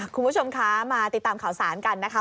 คุณผู้ชมคะมาติดตามข่าวสารกันนะคะ